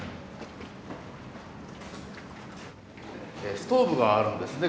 ストーブがあるんですね